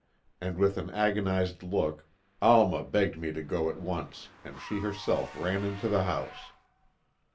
and with an agonized look, Alma begged me to go at once, and she herself ran into the house.